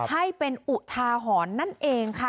ให้เป็นอุทาหรณ์นั่นเองค่ะ